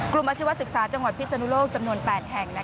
อาชีวศึกษาจังหวัดพิศนุโลกจำนวน๘แห่ง